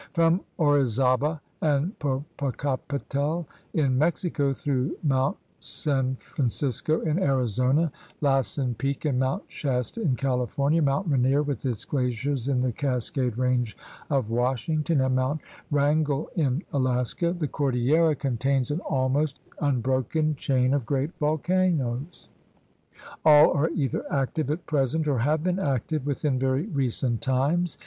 From Orizaba and Popocatepetl in Mexico through Mount San Francisco in Arizona, Lassen Peak and Mount Shasta in California, Mount Rainier with its glaciers in the Cascade Range of Washington, and Mount Wrangell in Alaska, the cordillera contains an almost unbroken chain of great volcanoes. All are either active at present or have been active within very recent times.